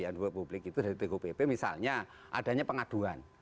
yang diharapkan publik itu dari tgpp misalnya adanya pengaduan